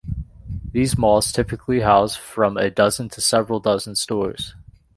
These malls typically house from a dozen to several dozen stores.